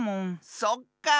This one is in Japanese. そっかあ。